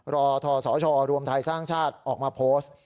ทศชรวมไทยสร้างชาติออกมาโพสต์